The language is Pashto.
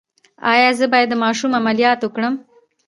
ایا زه باید د ماشوم عملیات وکړم؟